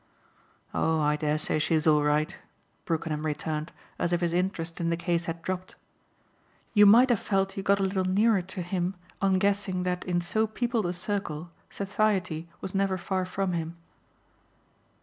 "Oh I dare say she's all right," Brookenham returned as if his interest in the case had dropped. You might have felt you got a little nearer to him on guessing that in so peopled a circle satiety was never far from him.